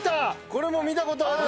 これも見た事ある。